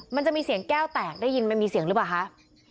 มันจะมีเสียงแก้วแตกได้ยินมันมีเสียงหรือเปล่าคะ